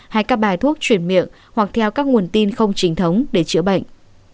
hay các bài thuốc chuyển miệng hoặc theo các nguồn tin không chính thống để chữa bệnh